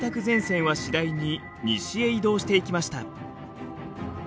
前線は次第に西へ移動していきました。